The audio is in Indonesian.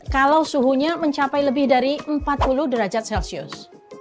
kalau suhunya mencapai lebih dari empat puluh derajat celcius